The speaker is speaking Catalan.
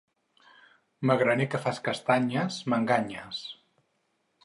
Magraner que fas castanyes, m'enganyes.